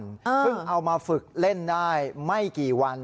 เพิ่งเอามาฝึกเล่นได้ไม่กี่วัน